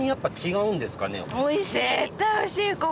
おいしい！